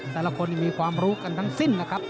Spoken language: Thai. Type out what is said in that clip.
แต่ละคนมีความรู้กันทั้งสิ้นนะครับ